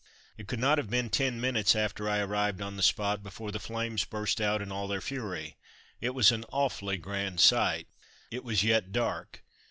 It could not have been ten minutes after I arrived on the spot before the flames burst out in all their fury. It was an awfully grand sight. It was yet dark.